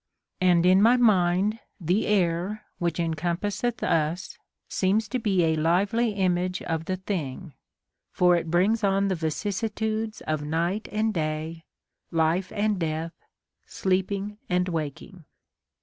And in my mind, the air Avhich cn compasseth us seems to be a lively image of the thing ; for it brings on the vicissitudes of night and day, life and death, sleeping and waking.